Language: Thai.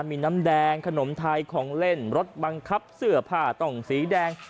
มีน้ำแดงขนมไทยของเล่นรถบังคับเสื้อผ้าต้องสีแดง